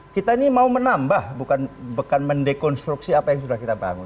kita ini mau menambah bukan mendekonstruksi apa yang sudah kita bangun